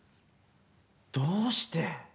どうして？